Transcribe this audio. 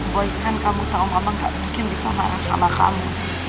boy kan kamu tahu mama gak mungkin bisa marah sama kamu